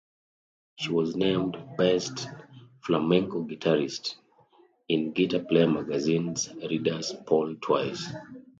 She was named "Best Flamenco Guitarist" in "Guitar Player Magazine's" readers' poll twice.